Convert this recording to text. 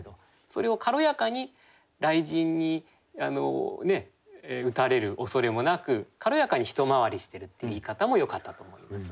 それを軽やかに雷神に打たれる恐れもなく軽やかに一回りしてるって言い方もよかったと思います。